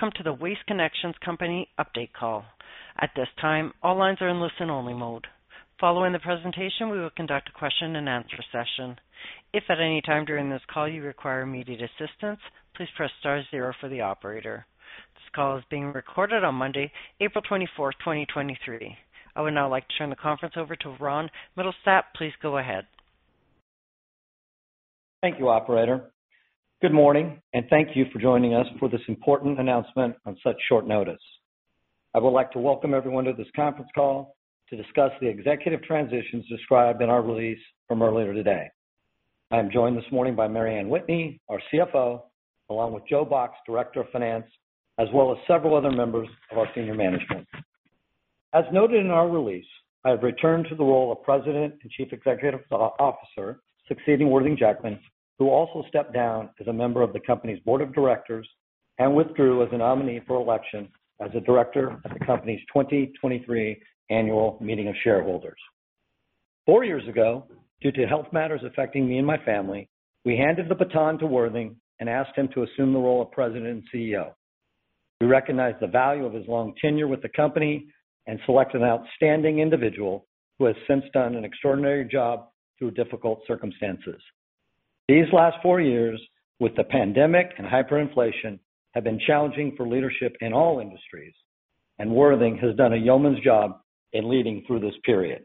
Welcome to the Waste Connections company update call. At this time, all lines are in listen-only mode. Following the presentation, we will conduct a question-and-answer session. If at any time during this call you require immediate assistance, please press star zero for the operator. This call is being recorded on Monday, April 24th, 2023. I would now like to turn the conference over to Ron Mittelstaedt. Please go ahead. Thank you, operator. Good morning, thank you for joining us for this important announcement on such short notice. I would like to welcome everyone to this conference call to discuss the executive transitions described in our release from earlier today. I am joined this morning by Mary Anne Whitney, our CFO, along with Joe Box, Director of Finance, as well as several other members of our senior management. As noted in our release, I have returned to the role of President and Chief Executive Officer, succeeding Worthing Jackman, who also stepped down as a member of the company's board of directors and withdrew as a nominee for election as a director at the company's 2023 annual meeting of shareholders. Four years ago, due to health matters affecting me and my family, we handed the baton to Worthing and asked him to assume the role of President and CEO. We recognized the value of his long tenure with the company and selected an outstanding individual who has since done an extraordinary job through difficult circumstances. These last four years, with the pandemic and hyperinflation, have been challenging for leadership in all industries, and Worthing has done a yeoman's job in leading through this period.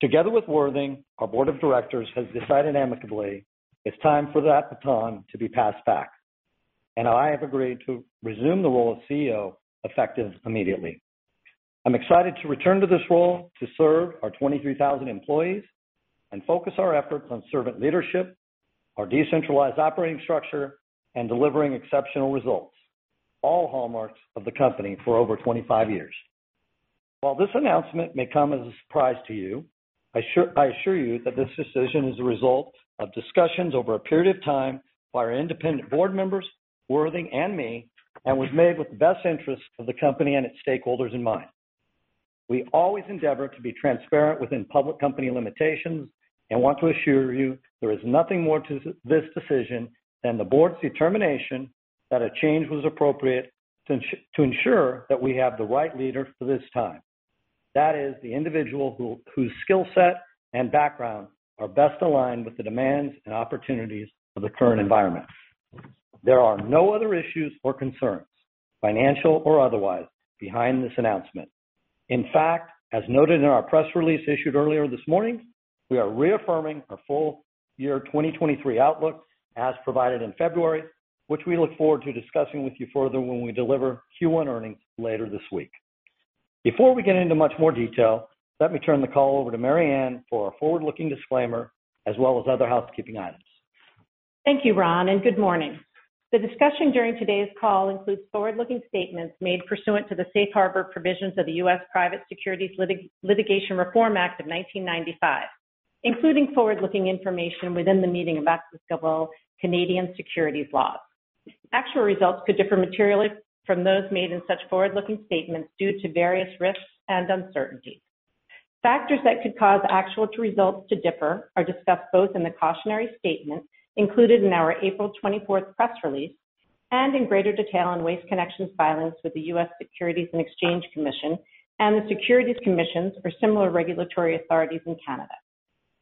Together with Worthing, our board of directors has decided amicably it's time for that baton to be passed back, and I have agreed to resume the role of CEO, effective immediately. I'm excited to return to this role to serve our 23,000 employees and focus our efforts on servant leadership, our decentralized operating structure, and delivering exceptional results, all hallmarks of the company for over 25 years. While this announcement may come as a surprise to you, I assure you that this decision is a result of discussions over a period of time by our independent board members, Worthing and me, and was made with the best interests of the company and its stakeholders in mind. We always endeavor to be transparent within public company limitations and want to assure you there is nothing more to this decision than the board's determination that a change was appropriate to ensure that we have the right leader for this time. That is, the individual who, whose skill set and background are best aligned with the demands and opportunities of the current environment. There are no other issues or concerns, financial or otherwise, behind this announcement. As noted in our press release issued earlier this morning, we are reaffirming our full year 2023 outlook as provided in February, which we look forward to discussing with you further when we deliver Q1 earnings later this week. Before we get into much more detail, let me turn the call over to Mary Anne for our forward-looking disclaimer as well as other housekeeping items. Thank you, Ron. Good morning. The discussion during today's call includes forward-looking statements made pursuant to the Safe Harbor Provisions of the U.S. Private Securities Litigation Reform Act of 1995, including forward-looking information within the meaning of applicable Canadian securities laws. Actual results could differ materially from those made in such forward-looking statements due to various risks and uncertainties. Factors that could cause actual results to differ are discussed both in the cautionary statements included in our April twenty-fourth press release and in greater detail on Waste Connections' filings with the U.S. Securities and Exchange Commission and the Securities Commissions or similar regulatory authorities in Canada.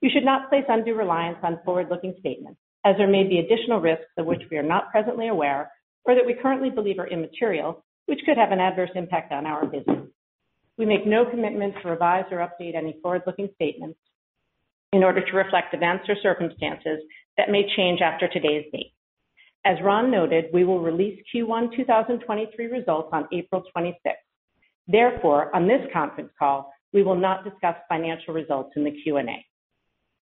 You should not place undue reliance on forward-looking statements as there may be additional risks of which we are not presently aware or that we currently believe are immaterial, which could have an adverse impact on our business. We make no commitment to revise or update any forward-looking statements in order to reflect events or circumstances that may change after today's date. As Ron noted, we will release Q1 2023 results on April 26th. On this conference call, we will not discuss financial results in the Q&A.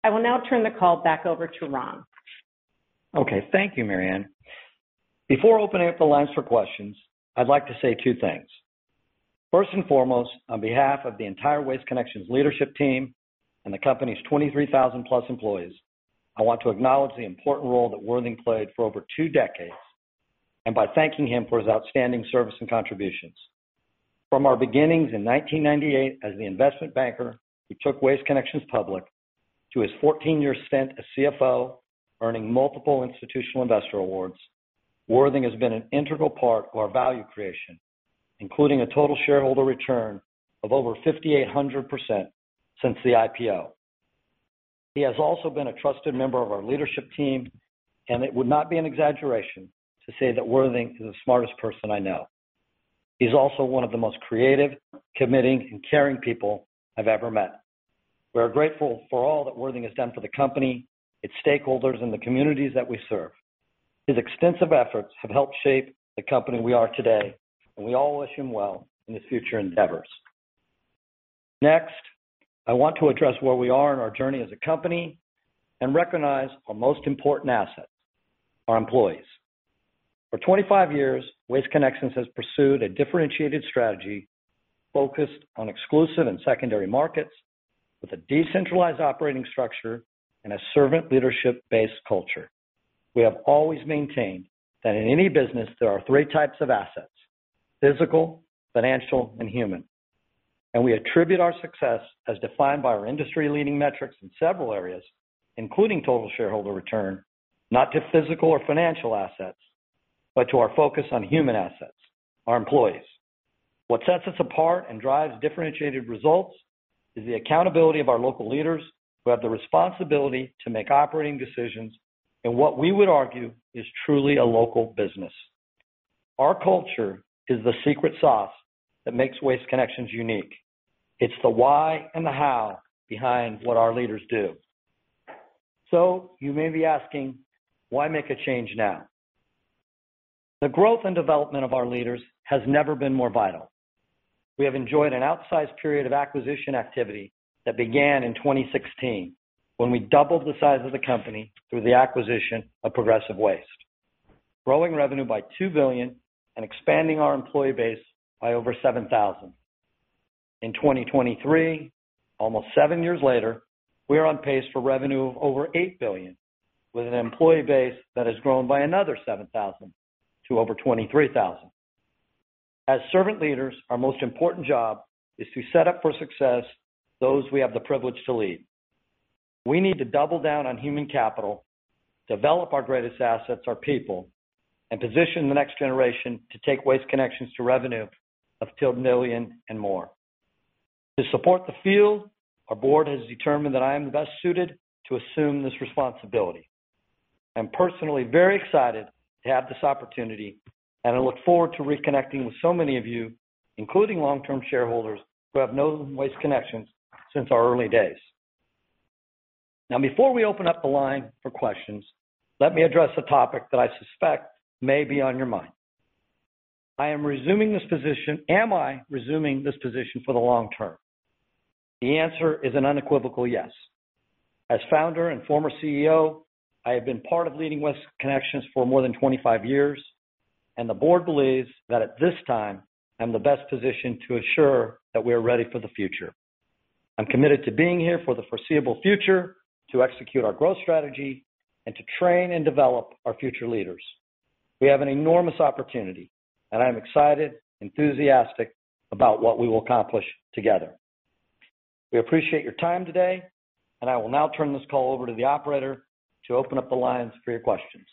I will now turn the call back over to Ron. Okay. Thank you, Mary Anne. Before opening up the lines for questions, I'd like to say two things. First and foremost, on behalf of the entire Waste Connections leadership team and the company's 23,000+ employees, I want to acknowledge the important role that Worthing played for over two decades and by thanking him for his outstanding service and contributions. From our beginnings in 1998 as the investment banker who took Waste Connections public, to his 14-year stint as CFO, earning multiple institutional investor awards, Worthing has been an integral part of our value creation, including a total shareholder return of over 5,800% since the IPO. He has also been a trusted member of our leadership team, and it would not be an exaggeration to say that Worthing is the smartest person I know. He's also one of the most creative, committing, and caring people I've ever met. We are grateful for all that Worthing has done for the company, its stakeholders, and the communities that we serve. His extensive efforts have helped shape the company we are today, and we all wish him well in his future endeavors. Next, I want to address where we are in our journey as a company and recognize our most important asset, our employees. For 25 years, Waste Connections has pursued a differentiated strategy focused on exclusive and secondary markets with a decentralized operating structure and a servant leadership-based culture. We have always maintained that in any business, there are three types of assets: physical, financial, and human. We attribute our success as defined by our industry-leading metrics in several areas, including total shareholder return, not to physical or financial assets, but to our focus on human assets, our employees. What sets us apart and drives differentiated results is the accountability of our local leaders who have the responsibility to make operating decisions in what we would argue is truly a local business. Our culture is the secret sauce that makes Waste Connections unique. It's the why and the how behind what our leaders do. You may be asking why make a change now? The growth and development of our leaders has never been more vital. We have enjoyed an outsized period of acquisition activity that began in 2016 when we doubled the size of the company through the acquisition of Progressive Waste, growing revenue by $2 billion and expanding our employee base by over 7,000. In 2023, almost seven years later, we are on pace for revenue of over $8 billion, with an employee base that has grown by another 7,000 to over 23,000. As servant leaders, our most important job is to set up for success those we have the privilege to lead. We need to double down on human capital, develop our greatest assets, our people, and position the next generation to take Waste Connections to revenue of $12 million and more. To support the field, our board has determined that I am the best suited to assume this responsibility. I'm personally very excited to have this opportunity, and I look forward to reconnecting with so many of you, including long-term shareholders who have known Waste Connections since our early days. Before we open up the line for questions, let me address a topic that I suspect may be on your mind. Am I resuming this position for the long term? The answer is an unequivocal yes. As founder and former CEO, I have been part of leading Waste Connections for more than 25 years, and the board believes that at this time, I'm the best positioned to assure that we are ready for the future. I'm committed to being here for the foreseeable future to execute our growth strategy and to train and develop our future leaders. We have an enormous opportunity and I'm excited, enthusiastic about what we will accomplish together. We appreciate your time today, and I will now turn this call over to the operator to open up the lines for your questions.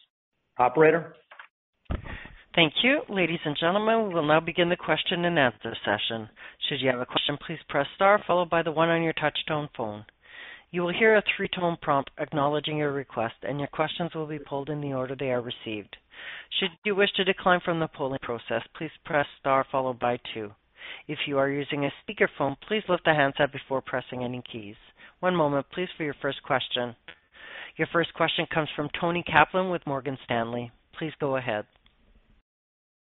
Operator? Thank you. Ladies and gentlemen, we will now begin the question-and-answer session. Should you have a question, please press star followed by the one on your touchtone phone. You will hear a three-tone prompt acknowledging your request, and your questions will be pulled in the order they are received. Should you wish to decline from the polling process, please press star followed by two. If you are using a speakerphone, please lift the handset before pressing any keys. One moment please for your first question. Your first question comes from Toni Kaplan with Morgan Stanley. Please go ahead.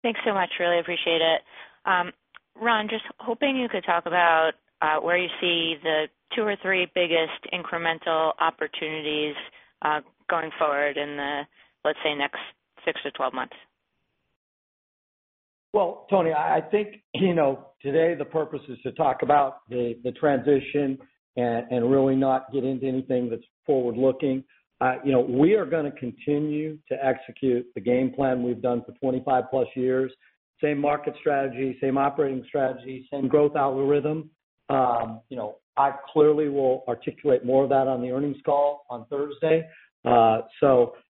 Thanks so much. Really appreciate it. Ron, just hoping you could talk about where you see the two or three biggest incremental opportunities going forward in the, let's say, next 6-12 months. Toni, I think, you know, today the purpose is to talk about the transition and really not get into anything that's forward-looking. You know, we are gonna continue to execute the game plan we've done for 25-plus years. Same market strategy, same operating strategy, same growth algorithm. You know, I clearly will articulate more of that on the earnings call on Thursday. We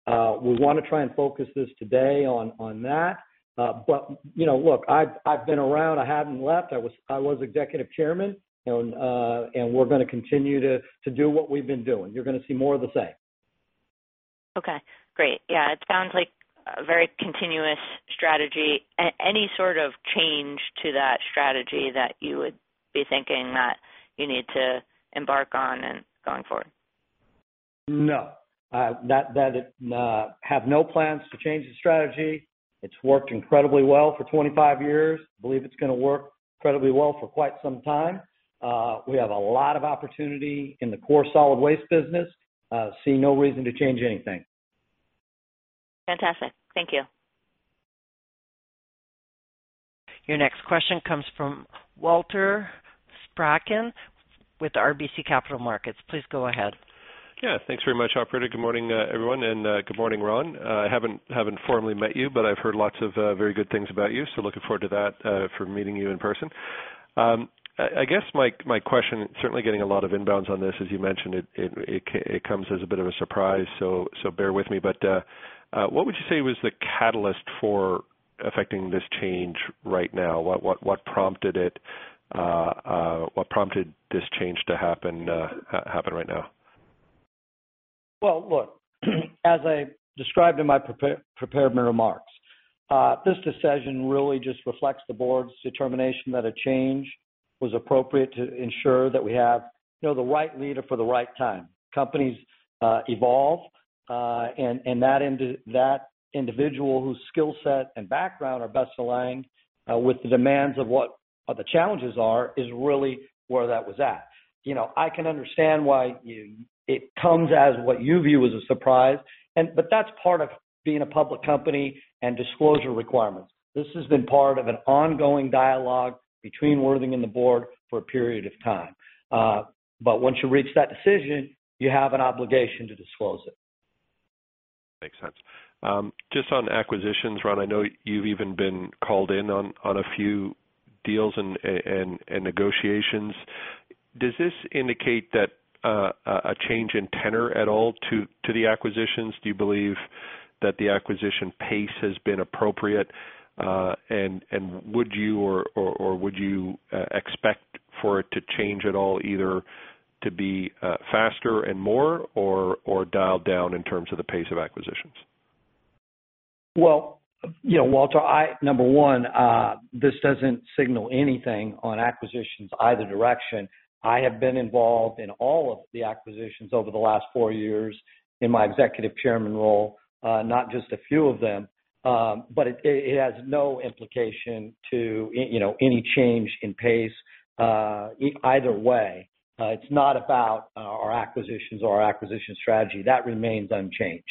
wanna try and focus this today on that. You know, look, I've been around. I hadn't left. I was Executive Chairman and we're gonna continue to do what we've been doing. You're gonna see more of the same. Okay, great. Yeah, it sounds like a very continuous strategy. Any sort of change to that strategy that you would be thinking that you need to embark on in going forward? No. have no plans to change the strategy. It's worked incredibly well for 25 years. Believe it's gonna work incredibly well for quite some time. We have a lot of opportunity in the core solid waste business. See no reason to change anything. Fantastic. Thank you. Your next question comes from Walter Spracklin with RBC Capital Markets. Please go ahead. Yeah, thanks very much, operator. Good morning, everyone, and good morning, Ron. I haven't formally met you, but I've heard lots of very good things about you, so looking forward to that for meeting you in person. I guess my question, certainly getting a lot of inbounds on this, as you mentioned it comes as a bit of a surprise, so bear with me. What would you say was the catalyst for effecting this change right now? What prompted it? What prompted this change to happen right now? Well, look, as I described in my prepared remarks, this decision really just reflects the board's determination that a change was appropriate to ensure that we have, you know, the right leader for the right time. Companies evolve, and that individual whose skill set and background are best aligned with the demands of what the challenges are is really where that was at. You know, I can understand why you it comes as what you view as a surprise and but that's part of being a public company and disclosure requirements. This has been part of an ongoing dialogue between Worthing and the board for a period of time. Once you reach that decision, you have an obligation to disclose it. Makes sense. Just on acquisitions, Ron, I know you've even been called in on a few deals and negotiations. Does this indicate that a change in tenor at all to the acquisitions? Do you believe that the acquisition pace has been appropriate? And would you or would you expect for it to change at all, either to be faster and more or dialed down in terms of the pace of acquisitions? Well, you know, Walter, I... Number one, this doesn't signal anything on acquisitions either direction. I have been involved in all of the acquisitions over the last four years in my executive chairman role, not just a few of them. It has no implication to, you know, any change in pace, either way. It's not about our acquisitions or our acquisition strategy. That remains unchanged.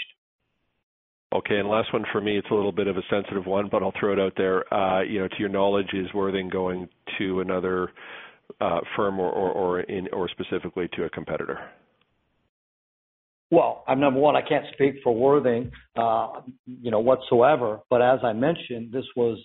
Okay. Last one for me, it's a little bit of a sensitive one, but I'll throw it out there. you know, to your knowledge, is Worthing going to another firm or specifically to a competitor? Well, number one, I can't speak for Worthing, you know, whatsoever. As I mentioned, this was,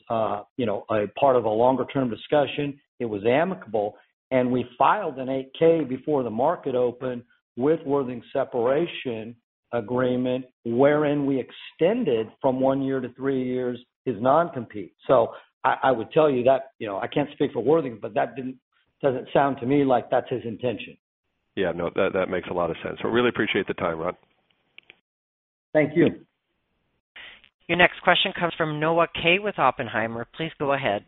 you know, a part of a longer-term discussion. It was amicable, and we filed an 8-K before the market opened with Worthing separation agreement, wherein we extended from one year to three years his non-compete. I would tell you that, you know, I can't speak for Worthing, but that doesn't sound to me like that's his intention. Yeah, no. That, that makes a lot of sense. Really appreciate the time, Ron. Thank you. Your next question comes from Noah Kaye with Oppenheimer. Please go ahead.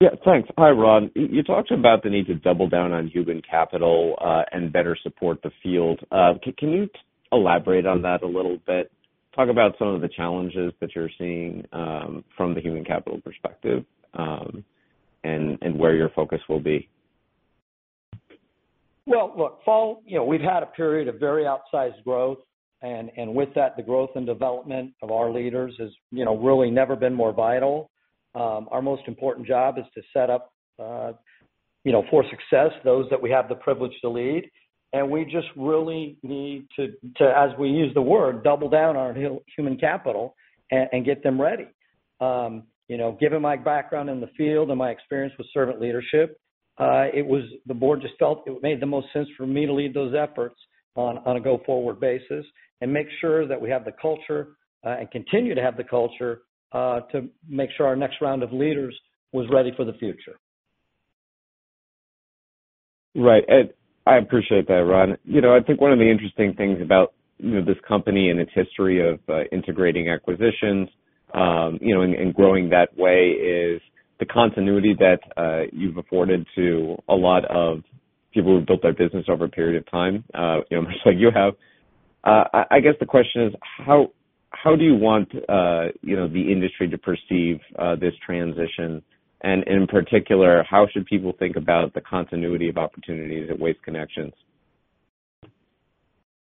Yeah, thanks. Hi, Ron. You talked about the need to double down on human capital and better support the field. Can you elaborate on that a little bit? Talk about some of the challenges that you're seeing from the human capital perspective, and where your focus will be. Look, you know, we've had a period of very outsized growth, and with that, the growth and development of our leaders has, you know, really never been more vital. Our most important job is to set up, you know, for success those that we have the privilege to lead, and we just really need to, as we use the word, double down on our human capital and get them ready. You know, given my background in the field and my experience with servant leadership, the board just felt it made the most sense for me to lead those efforts on a go-forward basis and make sure that we have the culture, and continue to have the culture to make sure our next round of leaders was ready for the future. Right. I appreciate that, Ron. You know, I think one of the interesting things about, you know, this company and its history of integrating acquisitions, you know, and growing that way is the continuity that you've afforded to a lot of people who've built their business over a period of time, you know, much like you have. I guess, the question is: how do you want, you know, the industry to perceive this transition? In particular, how should people think about the continuity of opportunities at Waste Connections?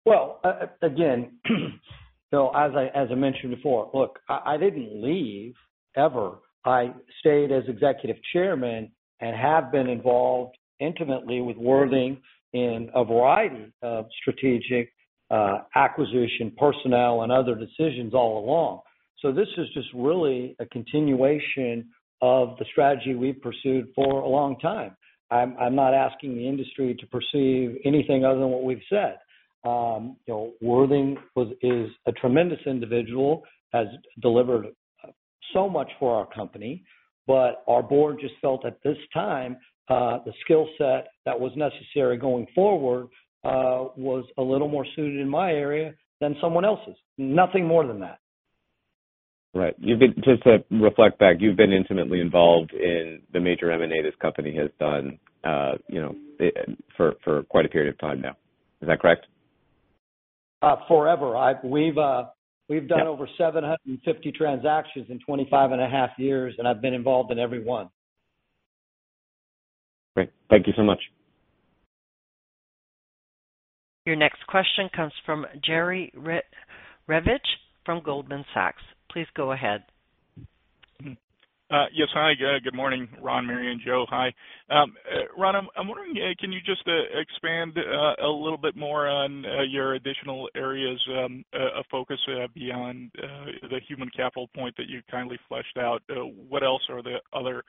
Well, again, as I mentioned before, look, I didn't leave, ever. I stayed as executive chairman and have been involved intimately with Worthing in a variety of strategic, acquisition, personnel and other decisions all along. This is just really a continuation of the strategy we've pursued for a long time. I'm not asking the industry to perceive anything other than what we've said. You know, Worthing is a tremendous individual, has delivered so much for our company. Our board just felt at this time, the skill set that was necessary going forward, was a little more suited in my area than someone else's. Nothing more than that. Right. Just to reflect back, you've been intimately involved in the major M&A this company has done, you know, for quite a period of time now. Is that correct? Forever. We've done over 750 transactions in 25 and a half years, and I've been involved in every one. Great. Thank you so much. Your next question comes from Jerry Revich from Goldman Sachs. Please go ahead. Yes. Hi. Good morning, Ron, Mary, and Joe. Hi. Ron, I'm wondering, can you just expand a little bit more on your additional areas of focus beyond the human capital point that you kindly fleshed out? What else are the other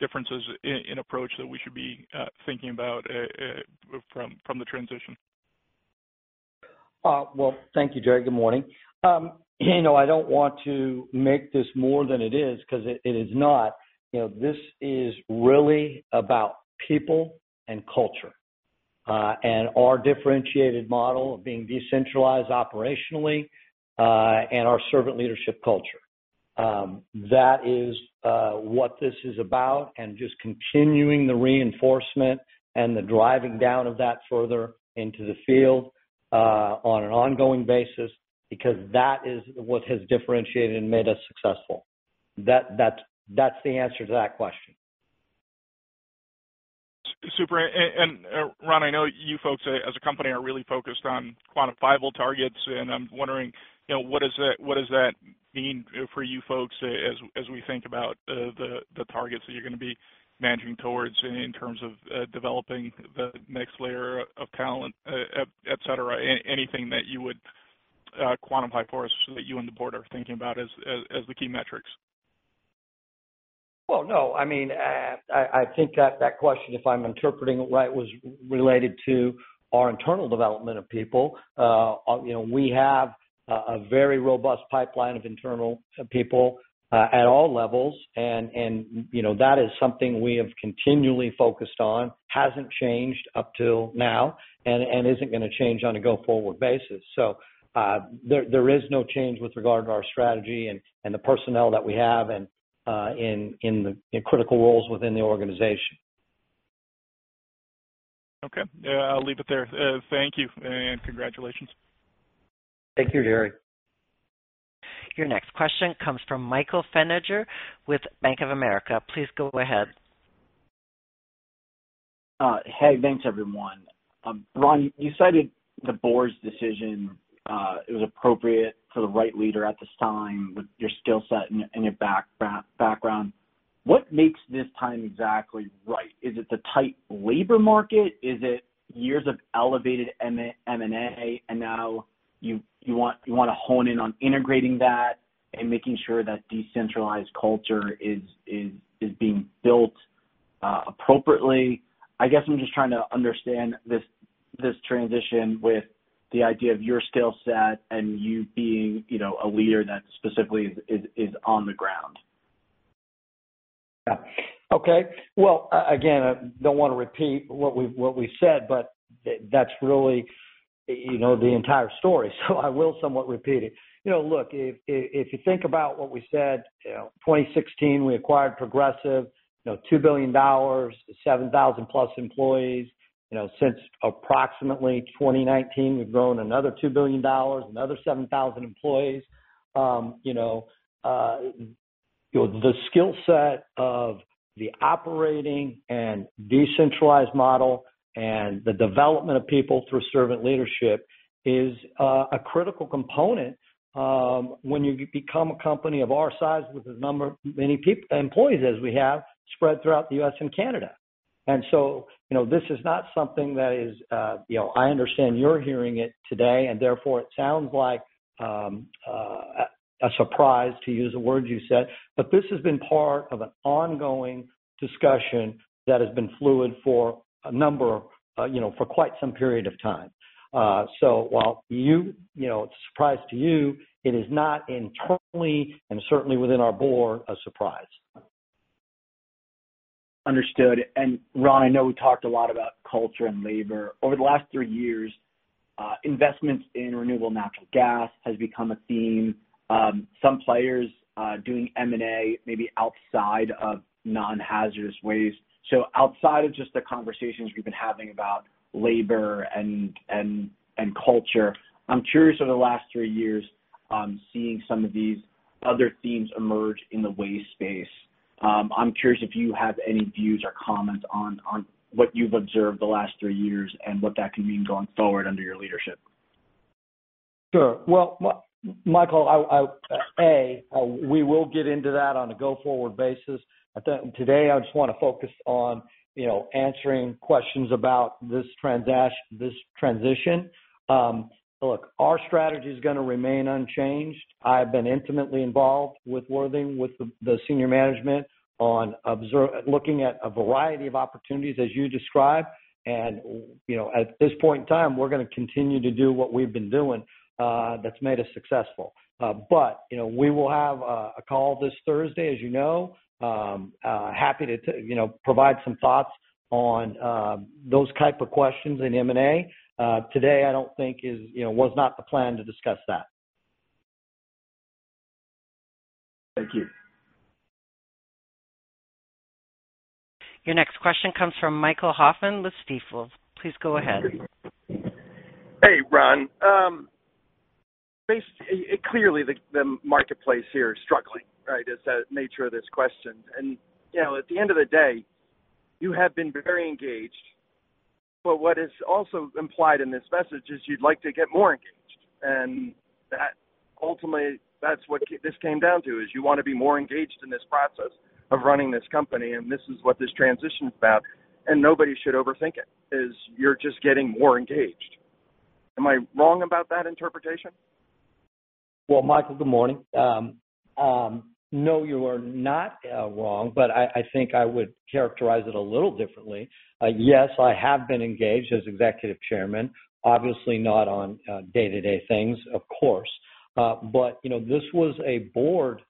differences in approach that we should be thinking about from the transition? Well, thank you, Jerry. Good morning. You know, I don't want to make this more than it is 'cause it is not. You know, this is really about people and culture, and our differentiated model of being decentralized operationally, and our servant leadership culture. That is what this is about and just continuing the reinforcement and the driving down of that further into the field, on an ongoing basis because that is what has differentiated and made us successful. That, that's the answer to that question. Super. Ron, I know you folks as a company are really focused on quantifiable targets, and I'm wondering, you know, what does that mean for you folks, as we think about the targets that you're gonna be managing towards in terms of developing the next layer of talent, et cetera. Anything that you would quantify for us that you and the board are thinking about as the key metrics? Well, no. I mean, I think that question, if I'm interpreting it right, was related to our internal development of people. You know, we have a very robust pipeline of internal people at all levels. You know, that is something we have continually focused on. Hasn't changed up till now and isn't gonna change on a go-forward basis. There is no change with regard to our strategy and the personnel that we have and in the critical roles within the organization. Okay. I'll leave it there. Thank you and congratulations. Thank you, Jerry. Your next question comes from Michael Feniger with Bank of America. Please go ahead. Hey, thanks, everyone. Ron, you cited the board's decision, it was appropriate for the right leader at this time with your skill set and your background. What makes this time exactly right? Is it the tight labor market? Is it years of elevated M&A, now you wanna hone in on integrating that and making sure that decentralized culture is being built appropriately? I guess I'm just trying to understand this transition with the idea of your skill set and you being, you know, a leader that specifically is on the ground. Yeah. Okay. Well, again, I don't wanna repeat what we said, but that's really, you know, the entire story, so I will somewhat repeat it. You know, look, if you think about what we said, you know, 2016, we acquired Progressive, you know, $2 billion, 7,000+ employees. You know, since approximately 2019, we've grown another $2 billion, another 7,000 employees. You know, the skill set of the operating and decentralized model and the development of people through servant leadership is a critical component, when you become a company of our size with the number employees as we have spread throughout the U.S. and Canada. You know, this is not something that is, you know. I understand you're hearing it today, and therefore it sounds like a surprise, to use the word you said. This has been part of an ongoing discussion that has been fluid for a number, you know, for quite some period of time. While you know, it's a surprise to you, it is not internally and certainly within our board, a surprise. Understood. Ron, I know we talked a lot about culture and labor. Over the last three years, investments in renewable natural gas has become a theme. Some players, doing M&A maybe outside of non-hazardous waste. Outside of just the conversations we've been having about labor and culture, I'm curious over the last three years, seeing some of these other themes emerge in the waste space. I'm curious if you have any views or comments on what you've observed the last three years and what that can mean going forward under your leadership. Sure. Well, Michael, we will get into that on a go-forward basis. Today, I just wanna focus on, you know, answering questions about this transition. Look, our strategy is gonna remain unchanged. I've been intimately involved with Worthing, with the senior management on looking at a variety of opportunities, as you described. You know, at this point in time, we're gonna continue to do what we've been doing, that's made us successful. You know, we will have a call this Thursday, as you know. Happy to, you know, provide some thoughts on those type of questions in M&A. Today, I don't think is, you know, was not the plan to discuss that. Thank you. Your next question comes from Michael Hoffman with Stifel. Please go ahead. Hey, Ron. Clearly, the marketplace here is struggling, right? It's the nature of this question. You know, at the end of the day, you have been very engaged, but what is also implied in this message is you'd like to get more engaged. That ultimately, that's what this came down to, is you wanna be more engaged in this process of running this company, this is what this transition is about, nobody should overthink it, is you're just getting more engaged. Am I wrong about that interpretation? Well, Michael, good morning. No, you are not wrong, but I think I would characterize it a little differently. Yes, I have been engaged as executive chairman, obviously not on day-to-day things, of course. You know, this was a board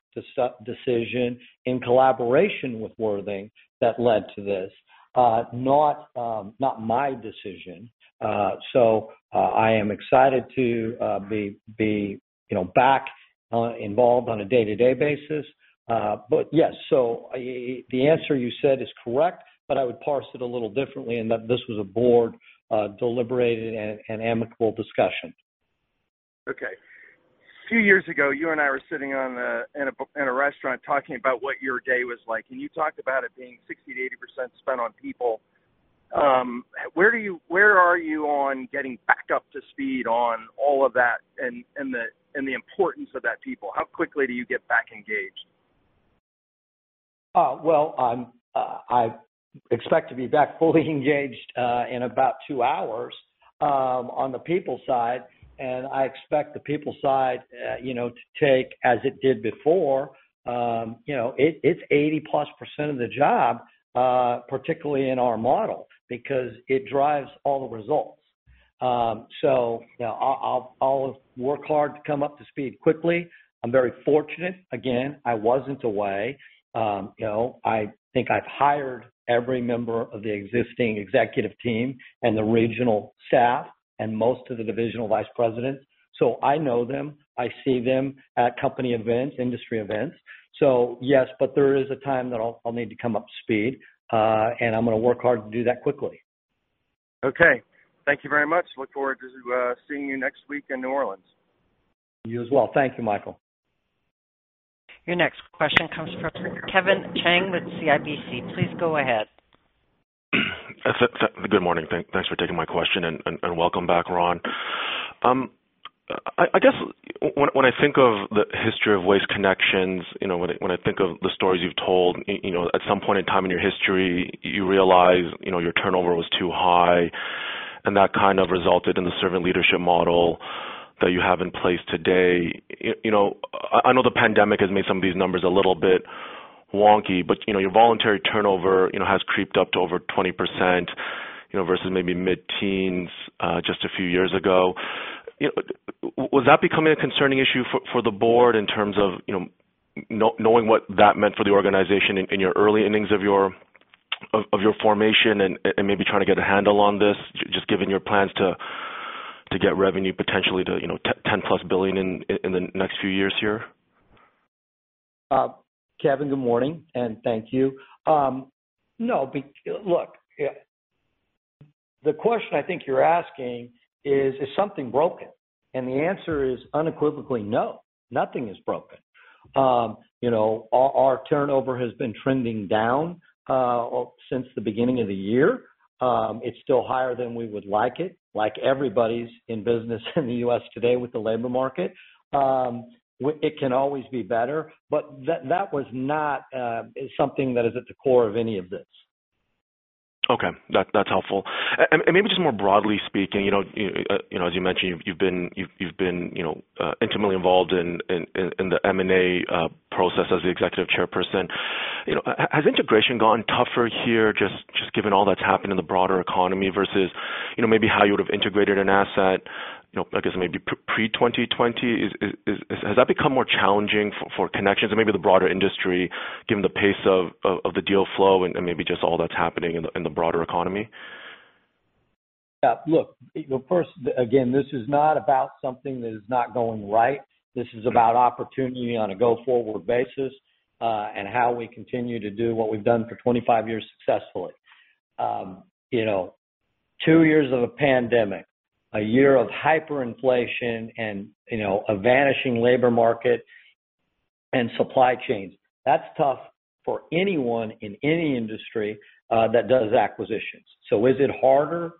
decision in collaboration with Worthing that led to this, not my decision. I am excited to be, you know, back involved on a day-to-day basis. Yes. The answer you said is correct, but I would parse it a little differently in that this was a board deliberated and amicable discussion. Okay. A few years ago, you and I were sitting in a restaurant talking about what your day was like, and you talked about it being 60%-80% spent on people. Where are you on getting back up to speed on all of that and the, and the importance of that people? How quickly do you get back engaged? Well, I expect to be back fully engaged in about two hours on the people side. I expect the people side, you know, to take as it did before, you know. It's 80%+ of the job, particularly in our model, because it drives all the results. You know, I'll work hard to come up to speed quickly. I'm very fortunate. Again, I wasn't away. You know, I think I've hired every member of the existing executive team and the regional staff and most of the divisional vice presidents. I know them. I see them at company events, industry events. Yes, there is a time that I'll need to come up to speed, and I'm gonna work hard to do that quickly. Okay. Thank you very much. Look forward to seeing you next week in New Orleans. You as well. Thank you, Michael. Your next question comes from Kevin Chiang with CIBC. Please go ahead. Good morning. Thanks for taking my question and welcome back, Ron. I guess when I think of the history of Waste Connections, you know, when I think of the stories you've told, you know, at some point in time in your history, you realize, you know, your turnover was too high, and that kind of resulted in the servant leadership model that you have in place today. You know, I know the pandemic has made some of these numbers a little bit wonky, but, you know, your voluntary turnover, you know, has creeped up to over 20%, you know, versus maybe mid-teens just a few years ago. You know, was that becoming a concerning issue for the board in terms of, you know, knowing what that meant for the organization in your early innings of your formation and maybe trying to get a handle on this, just given your plans to get revenue potentially to, you know, $10+ billion in the next few years here? Kevin, good morning, and thank you. No, look, yeah. The question I think you're asking is something broken? The answer is unequivocally no, nothing is broken. You know, our turnover has been trending down since the beginning of the year. It's still higher than we would like it, like everybody's in business in the U.S. today with the labor market. It can always be better, but that was not something that is at the core of any of this. Okay. That's helpful. Maybe just more broadly speaking, you know, you know, as you mentioned, you've been, you know, intimately involved in the M&A process as the executive chairperson. You know, has integration gotten tougher here, just given all that's happened in the broader economy versus, you know, maybe how you would have integrated an asset, you know, I guess maybe pre-2020? Has that become more challenging for Connections and maybe the broader industry, given the pace of the deal flow and maybe just all that's happening in the broader economy? Look, first, again, this is not about something that is not going right. This is about opportunity on a go-forward basis, and how we continue to do what we've done for 25 years successfully. You know, two years of a pandemic, a year of hyperinflation and, you know, a vanishing labor market and supply chains. That's tough for anyone in any industry that does acquisitions. Is it harder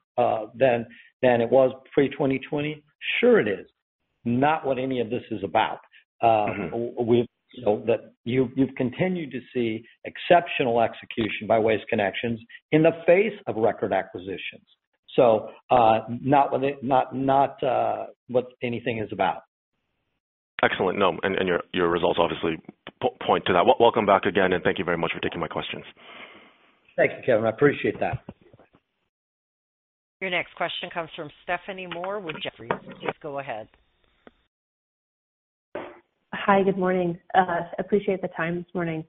than it was pre-2020? Sure, it is. Not what any of this is about. Mm-hmm. You know, that you've continued to see exceptional execution by Waste Connections in the face of record acquisitions. Not what it, not what anything is about. Excellent. No. Your results obviously point to that. Welcome back again, and thank you very much for taking my questions. Thank you, Kevin. I appreciate that. Your next question comes from Stephanie Moore with Jefferies. Please go ahead. Hi. Good morning. appreciate the time this morning.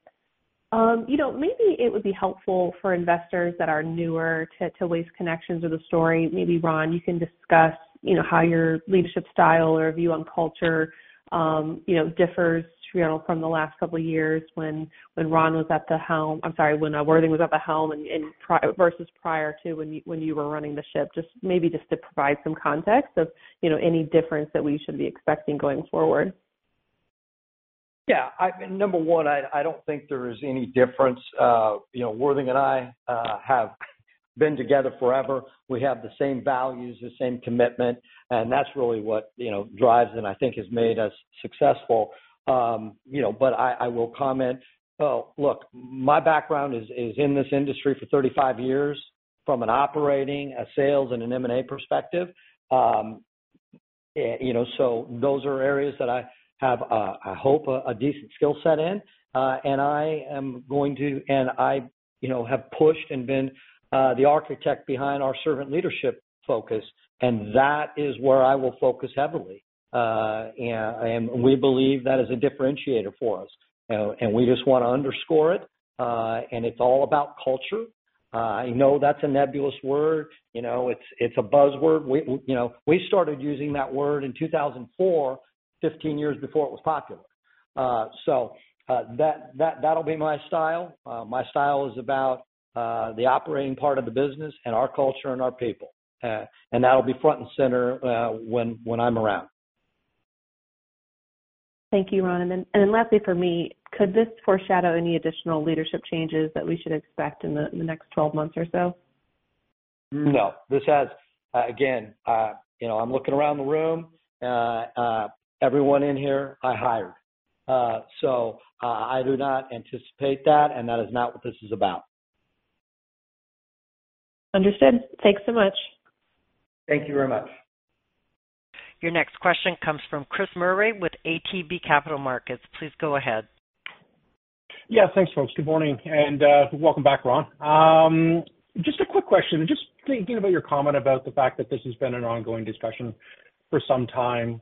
you know, maybe it would be helpful for investors that are newer to Waste Connections or the story, maybe Ron, you can discuss, you know, how your leadership style or view on culture, you know, differs, you know, from the last couple of years when Ron was at the helm. I'm sorry, when Worthing was at the helm and versus prior to when you were running the ship. Just maybe just to provide some context of, you know, any difference that we should be expecting going forward. Yeah. I mean, number one, I don't think there is any difference. You know, Worthing and I have been together forever. We have the same values, the same commitment. That's really what, you know, drives and I think has made us successful. You know, I will comment. Well, look, my background is in this industry for 35 years from an operating, a sales, and an M&A perspective. You know, those are areas that I have, I hope a decent skill set in. I am going to, and I, you know, have pushed and been the architect behind our servant leadership focus, and that is where I will focus heavily. We believe that is a differentiator for us. We just wanna underscore it, and it's all about culture. I know that's a nebulous word. You know, it's a buzzword. We, you know, we started using that word in 2004, 15 years before it was popular. That'll be my style. My style is about the operating part of the business and our culture and our people. That'll be front and center when I'm around. Thank you, Ron. Then lastly for me, could this foreshadow any additional leadership changes that we should expect in the next 12 months or so? No. This has, again, you know, I'm looking around the room, everyone in here I hired. I do not anticipate that, and that is not what this is about. Understood. Thanks so much. Thank you very much. Your next question comes from Chris Murray with ATB Capital Markets. Please go ahead. Yeah, thanks folks. Good morning. Welcome back, Ron. Just a quick question, just thinking about your comment about the fact that this has been an ongoing discussion for some time.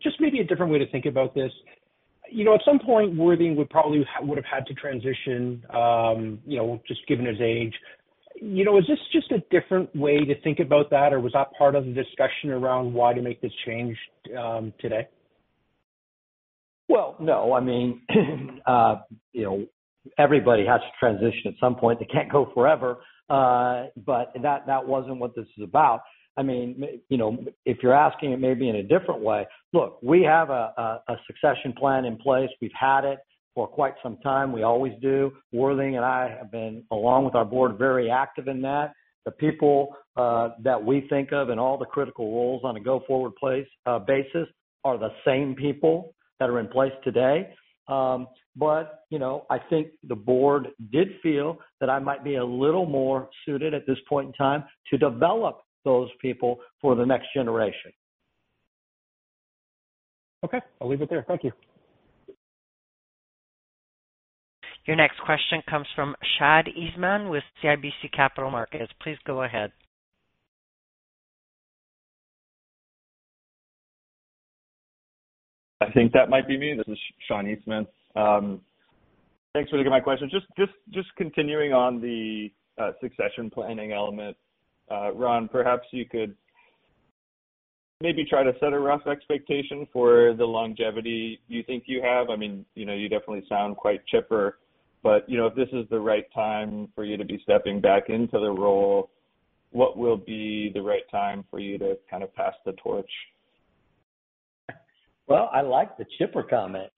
Just maybe a different way to think about this. You know, at some point, Worthing would probably have had to transition, you know, just given his age. You know, is this just a different way to think about that? Or was that part of the discussion around why to make this change, today? Well, no. I mean, you know, everybody has to transition at some point. They can't go forever. That, that wasn't what this is about. I mean, you know, if you're asking it maybe in a different way. Look, we have a, a succession plan in place. We've had it for quite some time. We always do. Worthing and I have been, along with our board, very active in that. The people, that we think of in all the critical roles on a go-forward place, basis are the same people that are in place today. You know, I think the board did feel that I might be a little more suited at this point in time to develop those people for the next generation. Okay. I'll leave it there. Thank you. Your next question comes from Sean Eastman with CIBC Capital Markets. Please go ahead. I think that might be me. This is Sean Eastman. Thanks for taking my question. Just continuing on the succession planning element, Ron, perhaps you could maybe try to set a rough expectation for the longevity you think you have. I mean, you know, you definitely sound quite chipper, but, you know, if this is the right time for you to be stepping back into the role, what will be the right time for you to kind of pass the torch? Well, I like the chipper comment.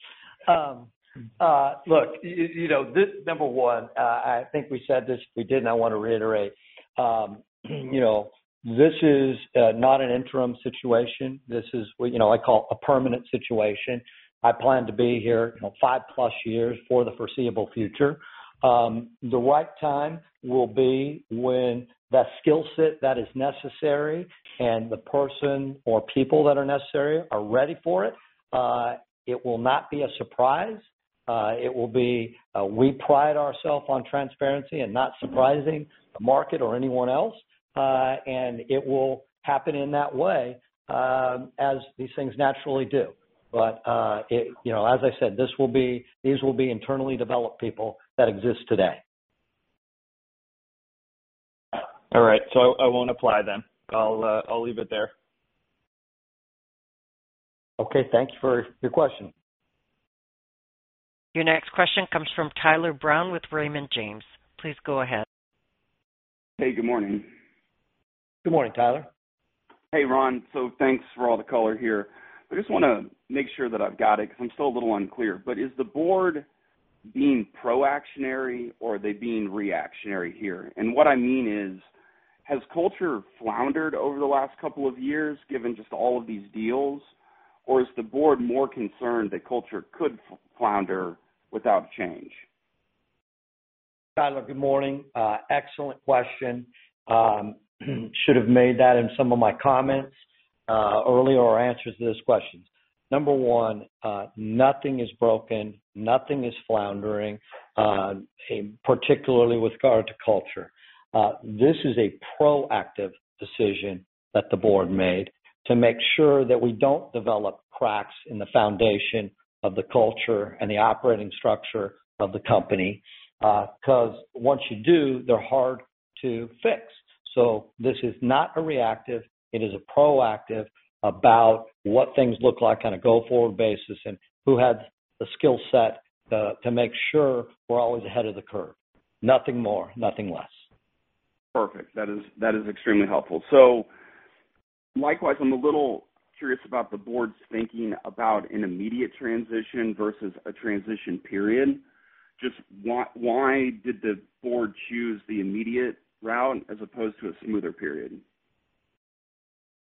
Look, you know, this number one, I think we said this, if we didn't, I wanna reiterate, you know, this is not an interim situation. This is what, you know, I call a permanent situation. I plan to be here, you know, five-plus years for the foreseeable future. The right time will be when the skill set that is necessary and the person or people that are necessary are ready for it. It will not be a surprise. It will be, we pride ourself on transparency and not surprising the market or anyone else. It will happen in that way, as these things naturally do. It, you know, as I said, this will be, these will be internally developed people that exist today. All right. I won't apply then. I'll leave it there. Okay. Thank you for your question. Your next question comes from Tyler Brown with Raymond James. Please go ahead. Hey, good morning. Good morning, Tyler. Hey, Ron. Thanks for all the color here. I just wanna make sure that I've got it because I'm still a little unclear. Is the board being pro-actionary or are they being reactionary here? What I mean is, has culture floundered over the last couple of years, given just all of these deals? Or is the board more concerned that culture could flounder without change? Tyler, good morning. Excellent question. Should have made that in some of my comments earlier or answers to this question. Number one, nothing is broken, nothing is floundering, particularly with regard to culture. This is a proactive decision that the board made to make sure that we don't develop cracks in the foundation of the culture and the operating structure of the company. 'Cause once you do, they're hard to fix. This is not a reactive, it is a proactive about what things look like on a go-forward basis and who has the skill set to make sure we're always ahead of the curve. Nothing more, nothing less. Perfect. That is extremely helpful. Likewise, I'm a little curious about the board's thinking about an immediate transition versus a transition period. Just why did the board choose the immediate route as opposed to a smoother period?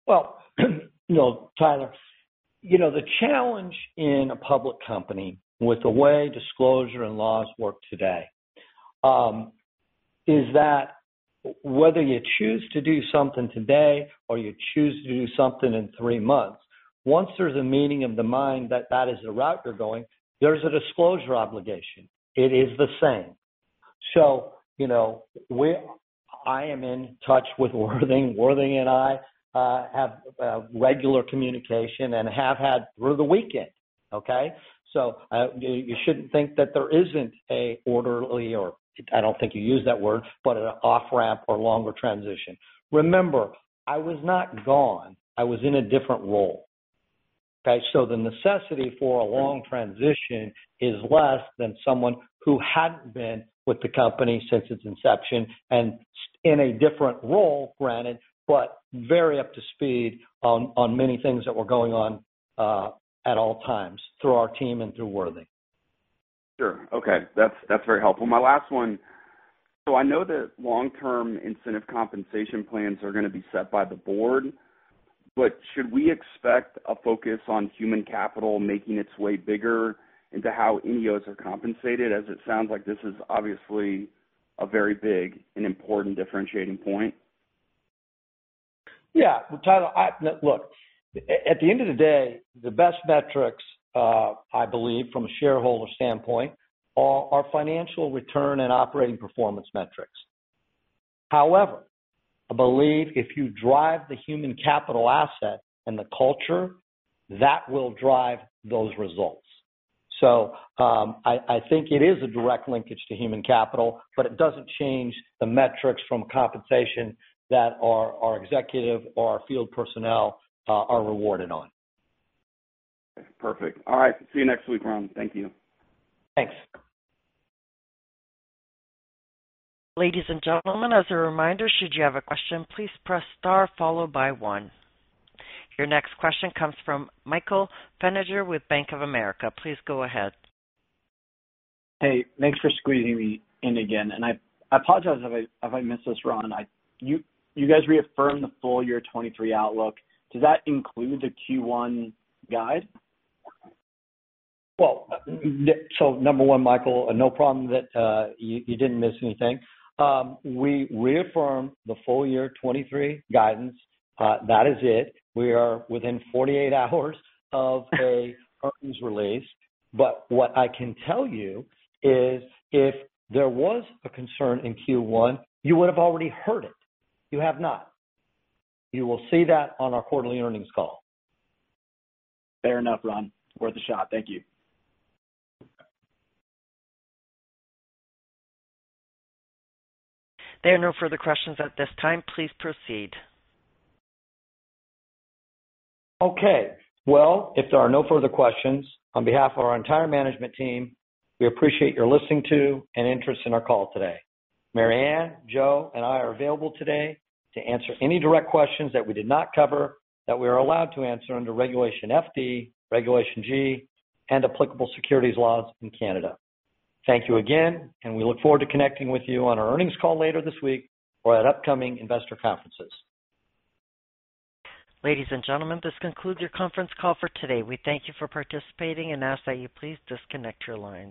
Well, you know, Tyler, you know, the challenge in a public company with the way disclosure and laws work today, is that whether you choose to do something today or you choose to do something in three months, once there's a meeting of the mind that that is the route you're going, there's a disclosure obligation. It is the same. You know, I am in touch with Worthing. Worthing and I have regular communication and have had through the weekend, okay. You shouldn't think that there isn't a orderly or, I don't think you use that word, but an off-ramp or longer transition. Remember, I was not gone. I was in a different role, okay. The necessity for a long transition is less than someone who hadn't been with the company since its inception and In a different role, granted, but very up to speed on many things that were going on, at all times through our team and through Worthing. Sure. Okay. That's very helpful. My last one. I know that long-term incentive compensation plans are gonna be set by the board, but should we expect a focus on human capital making its way bigger into how incentives are compensated, as it sounds like this is obviously a very big and important differentiating point? Yeah. Well, Tyler, look, at the end of the day, the best metrics, I believe from a shareholder standpoint are our financial return and operating performance metrics. However, I believe if you drive the human capital asset and the culture, that will drive those results. I think it is a direct linkage to human capital, but it doesn't change the metrics from compensation that our executive or our field personnel are rewarded on. Perfect. All right. See you next week, Ron. Thank you. Thanks. Ladies and gentlemen, as a reminder, should you have a question, please press star followed by one. Your next question comes from Michael Feniger with Bank of America. Please go ahead. Hey, thanks for squeezing me in again. I apologize if I missed this, Ron. You guys reaffirmed the full year 2023 outlook. Does that include the Q1 guide? Well, number one, Michael, no problem that you didn't miss anything. We reaffirm the full year 2023 guidance. That is it. We are within 48 hours of a earnings release. What I can tell you is if there was a concern in Q1, you would have already heard it. You have not. You will see that on our quarterly earnings call. Fair enough, Ron. Worth a shot. Thank you. There are no further questions at this time. Please proceed. Okay. Well, if there are no further questions, on behalf of our entire management team, we appreciate your listening to and interest in our call today. Mary Anne, Joe, and I are available today to answer any direct questions that we did not cover that we are allowed to answer under Regulation FD, Regulation G, and applicable securities laws in Canada. Thank you again. We look forward to connecting with you on our earnings call later this week or at upcoming investor conferences. Ladies and gentlemen, this concludes your conference call for today. We thank you for participating and ask that you please disconnect your lines.